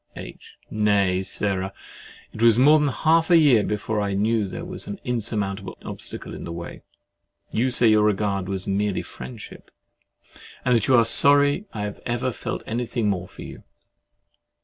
H. Nay, Sarah, it was more than half a year before I knew that there was an insurmountable obstacle in the way. You say your regard is merely friendship, and that you are sorry I have ever felt anything more for you.